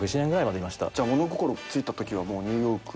じゃあ物心ついたときはもうニューヨーク。